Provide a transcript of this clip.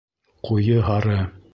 Ҡуйы һары